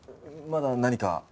まだ何か？